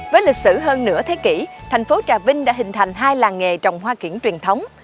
với lịch sử hơn nửa thế kỷ thành phố trà vinh đã hình thành hai làng nghề trồng hoa kiển truyền thống